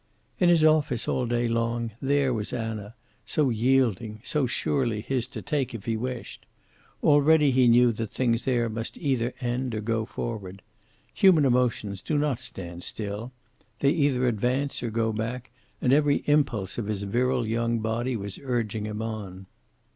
In his office all day long there was Anna, so yielding, so surely his to take if he wished. Already he knew that things there must either end or go forward. Human emotions do not stand still; they either advance or go back, and every impulse of his virile young body was urging him on.